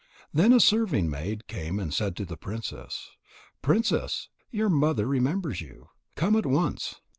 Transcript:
Then a serving maid came and said to the princess: "Princess, your mother remembers you. Come at once."